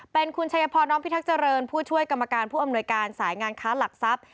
เป็นคุณชัยพรน้องพิทักษ์เจริญผู้ช่วยกรรมการผู้อำนวยการสายงานค้าหลักทรัพย์